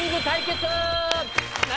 何？